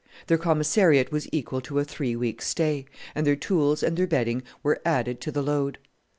Their commissariat was equal to a three weeks' stay, and their tools and their bedding were added to the load.